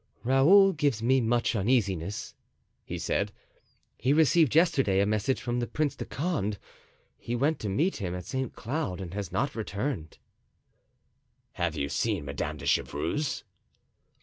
"Raoul gives me much uneasiness," he said. "He received yesterday a message from the Prince de Condé; he went to meet him at Saint Cloud and has not returned." "Have you seen Madame de Chevreuse?"